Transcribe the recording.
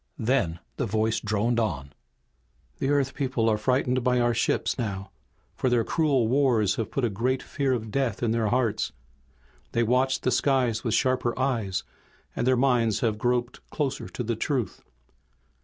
Then the voice droned on. "The Earth people are frightened by our ships now, for their cruel wars have put a great fear of death in their hearts. They watch the skies with sharper eyes, and their minds have groped closer to the truth.